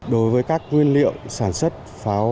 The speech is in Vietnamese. đối với các nguyên liệu sản xuất pháo hoa nổ